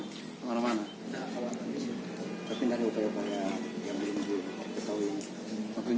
tapi tidak ada upaya upaya yang belum diketahui